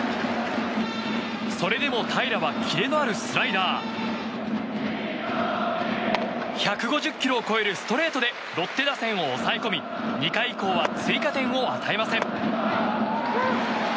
それでも平良はキレのあるスライダー１５０キロを超えるストレートでロッテ打線を抑え込み２回以降は追加点を与えません。